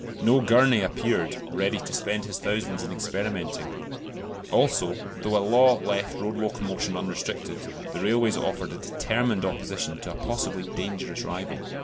No Gurney appeared, ready to spend his thousands in experimenting; also, though the law left road locomotion unrestricted, the railways offered a determined opposition to a possibly dangerous rival.